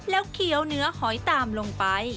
แล้วเคี้ยวเนื้อหอยตามลงไป